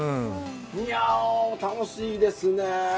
いや、楽しいですね。